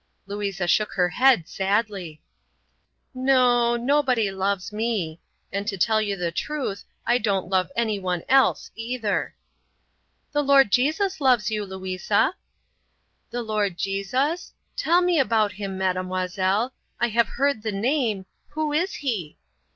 Louisa shook her head sadly. "No, nobody loves me. And to tell you the truth, I don't love anyone else either." "The Lord Jesus loves you, Louisa." "The Lord Jesus? Tell me about Him, mademoiselle; I have heard the name who is He?"